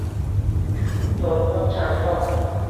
Toliqib chanqoq.